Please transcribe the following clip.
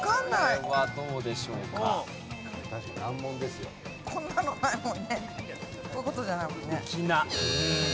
こういう事じゃないもんね？